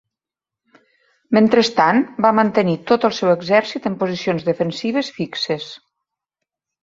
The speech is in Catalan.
Mentrestant, va mantenir tot el seu exèrcit en posicions defensives fixes.